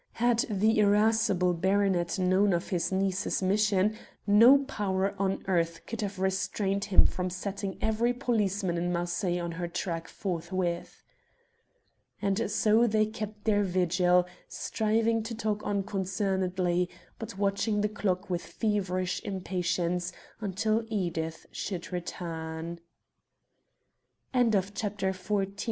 Had the irascible baronet known of his niece's mission, no power on earth could have restrained him from setting every policeman in Marseilles on her track forthwith. And so they kept their vigil, striving to talk unconcernedly, but watching the clock with feverish impatience until Edith should return. CHAPTER XV "MARIE" Marseilles i